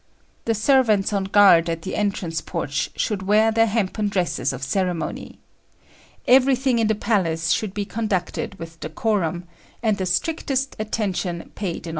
The servants on guard at the entrance porch should wear their hempen dresses of ceremony. Everything in the palace should be conducted with decorum, and the strictest attention paid in all things.